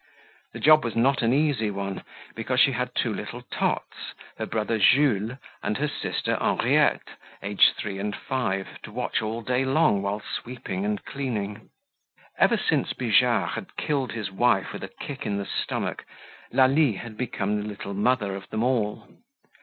The job was not an easy one because she had two little tots, her brother Jules and her sister Henriette, aged three and five, to watch all day long while sweeping and cleaning. Ever since Bijard had killed his wife with a kick in the stomach, Lalie had become the little mother of them all.